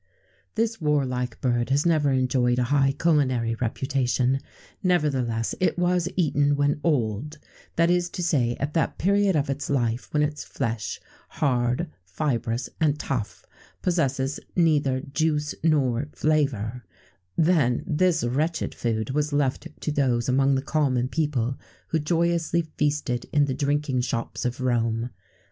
[XVII 10] This warlike bird has never enjoyed a high culinary reputation; nevertheless, it was eaten when old, that is to say, at that period of its life when its flesh, hard, fibrous, and tough, possesses neither juice nor flavour then this wretched food was left to those among the common people who joyously feasted in the drinking shops of Rome.